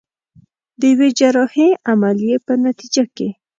د يوې جراحي عمليې په نتيجه کې.